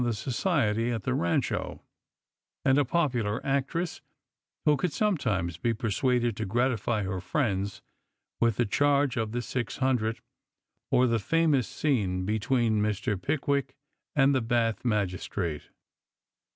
the society at theEancho; and a popular actress, who could sometimes be persuaded to gratify her friends with the " Charge of the Six Hundred," or the famous scene between Mr. Pickwick and the Bath magistrate.